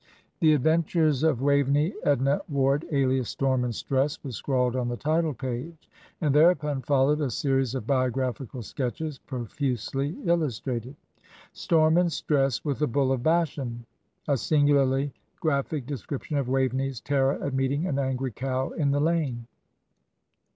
"The Adventures of Waveney Edna Ward, alias Storm and Stress," was scrawled on the title page, and thereupon followed a series of biographical sketches, profusely illustrated. "Storm and Stress with the Bull of Bashan" a singularly graphic description of Waveney's terror at meeting an angry cow in the lane.